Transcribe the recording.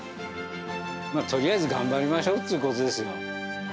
とりあえず頑張りましょうっていうことですよ。